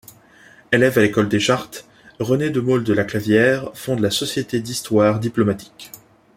Élève à l'École des chartes, René de Maulde-La Clavière fonde la Société d'histoire diplomatique.